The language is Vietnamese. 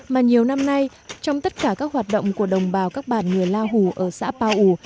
mà nhiều năm nay trong tất cả các hoạt động của đồng bào các bản người la hù ở xã pao u